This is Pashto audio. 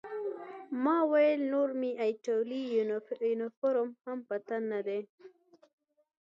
ما وویل: نور مې ایټالوي یونیفورم هم په تن نه دی.